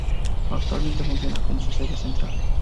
Actualmente funciona como su sede central.